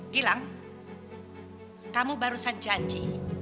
gilang kamu barusan janji